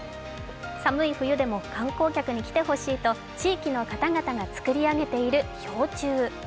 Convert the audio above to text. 寒い冬でも観光客に来てほしいと地域の方々が作り上げている氷柱。